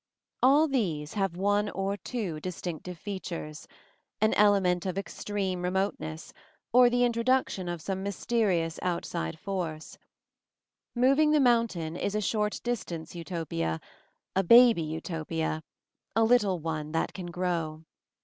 All these have one or two distinctive f ea tures — an element of extreme remoteness, or the introduction of some mysterious out side force. "Moving the Mountain" is a short distance Utopia, a baby Utopia, a lit tle one that can grow.